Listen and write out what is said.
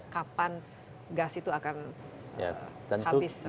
kapan gas itu akan habis sama sekali